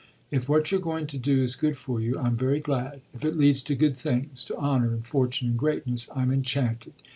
If what you're going to do is good for you I'm very glad. If it leads to good things, to honour and fortune and greatness, I'm enchanted.